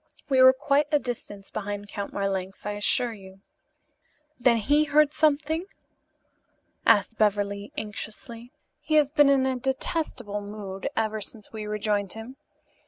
We were quite a distance behind Count Marlanx, I assure you." "Then he heard something?" asked Beverly anxiously. "He has been in a detestable mood ever since we rejoined him.